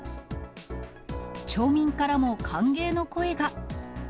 町民からも歓迎の声が。